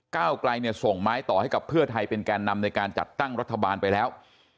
ก้าวไกลเนี่ยส่งไม้ต่อให้กับเพื่อไทยเป็นแก่นำในการจัดตั้งรัฐบาลไปแล้ว